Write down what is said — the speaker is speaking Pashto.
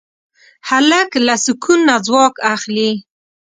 هلک له سکون نه ځواک اخلي.